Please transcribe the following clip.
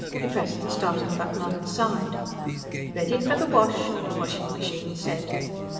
He pressed the starting button on the side. "Ready for the wash," the washing machine said.